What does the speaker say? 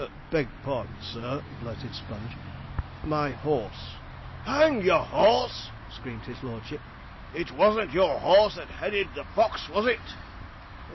'Beg pardon, sir,' blurted Sponge; 'my horse ' 'Hang your horse!' screamed his lordship; 'it wasn't your horse that headed the fox, was it?'